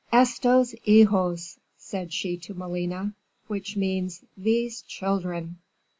"Estos hijos!" said she to Molina which means, "These children!"